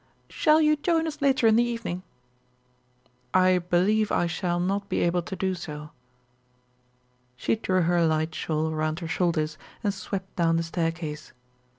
"Shall you join us later in the evening?" "I believe I shall not be able to do so." She drew her light shawl around her shoulders, and swept down the staircase. Mr.